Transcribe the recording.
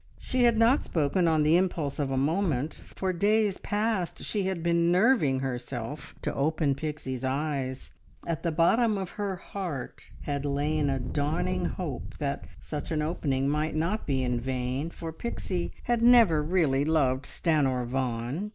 She had not spoken on the impulse of a moment; for days past she had been nerving herself to open Pixie's eyes. At the bottom of her heart had lain a dawning hope that such an opening might not be in vain, for Pixie had never really loved Stanor Vaughan.